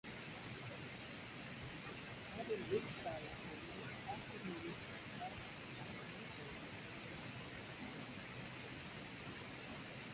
Modern rigsar recordings often use electronic approximations of drums and guitars.